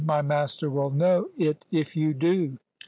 My master will know it if you do."